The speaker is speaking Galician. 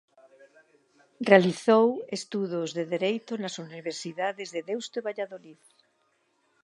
Realizou estudos de dereito nas universidades de Deusto e Valladolid.